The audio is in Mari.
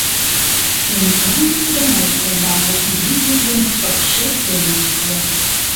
Финплан гына ӱстембалне изи йӱк дене пыкше пеҥыж кия.